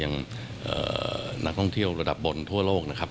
อย่างนักท่องเที่ยวระดับบนทั่วโลกนะครับ